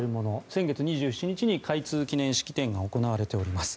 先月２７日に開通記念式典が行われております。